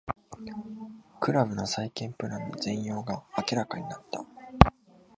クラブの再建プランの全容が明らかになった